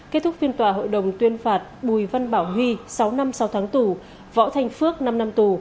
kết thúc phiên tòa hội đồng tuyên phạt bùi văn bảo huy sáu năm sáu tháng tù võ thanh phước năm năm tù